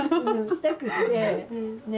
したくって。ね。